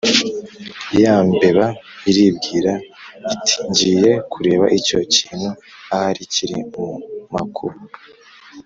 ya mbeba iribwira iti « ngiye kureba icyo kintu ahari kiri mu makuba